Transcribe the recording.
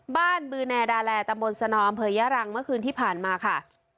บ้านบูรณแดลาแหล่ตระมวลสนองอำเภยรังเมื่อคืนที่ผ่านมาค่ะ